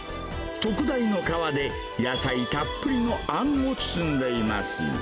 特大の皮で、野菜たっぷりのあんを包んでいます。